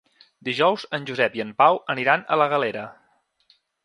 Dijous en Josep i en Pau aniran a la Galera.